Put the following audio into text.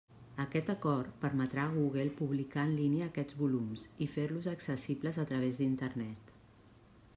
Aquest acord permetrà a Google publicar en línia aquests volums i fer-los accessibles a través d'Internet.